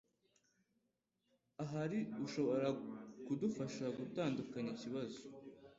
Ahari ushobora kudufasha gutandukanya ikibazo